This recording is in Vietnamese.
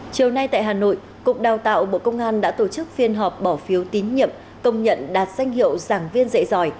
chiều nay tại hà nội cục đào tạo bộ công an đã tổ chức phiên họp bỏ phiếu tín nhiệm công nhận đạt danh hiệu giảng viên dạy giỏi